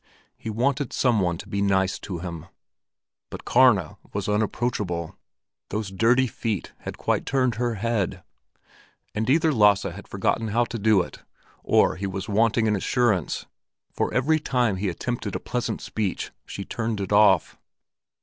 He wanted some one to be nice to him. But Karna was unapproachable; those dirty feet had quite turned her head. And either Lasse had forgotten how to do it, or he was wanting in assurance, for every time he attempted a pleasant speech, she turned it off.